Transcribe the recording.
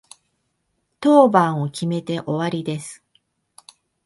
当番を決めて終わりです。